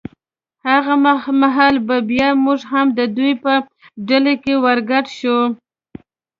هغه مهال به بیا موږ هم د دوی په ډله کې ور ګډ شو.